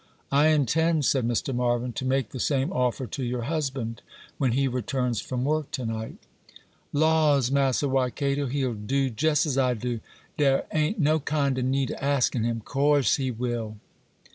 'I intend,' said Mr. Marvyn, 'to make the same offer to your husband, when he returns from work to night.' 'Laus, Mass'r,—why, Cato he'll do jes' as I do,—dere a'n't no kind o' need o' askin' him. 'Course he will.